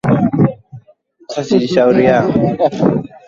Mkuu wa Tanzania kutoka mwaka elfu moja mia tisa tisini na tano mpaka mwaka